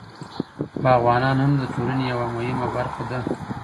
باغوانان هم د ټولني یوه مهمه برخه ده.